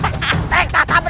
bicara dengan bapak